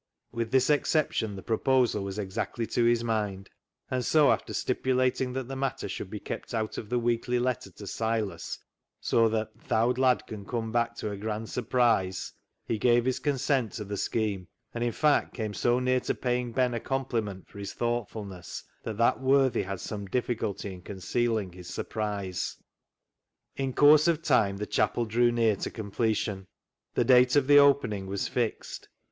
With this exception the proposal was exactly to his mind ; and so after stipulating that the matter should be kept out of the weekly letter to Silas, so that " Th' owd lad can come back to a grand surprise," he gave his consent to the scheme, and, in fact, came so near to paying Ben a compliment for his thoughtfulness that that worthy had some diflficulty in concealing his surprise. "THE ZEAL OF THINE HOUSE" 359 In course of time the chapel drew near to completion. The date of the opening was fixed.